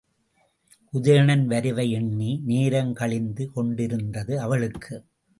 உதயணன் வரவை எண்ணி, நேரம் கழிந்து கொண்டிருந்தது அவளுக்கு.